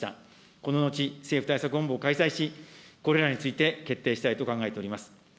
この後、政府対策本部を開催し、これらについて決定したいと考えております。